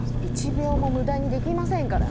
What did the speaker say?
１秒も無駄にできませんからね。